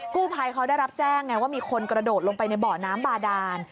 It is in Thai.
กู้ภัยเขาได้รับแจ้งไงว่ามีคนกระโดดลงไปในเบาะน้ำบาดาน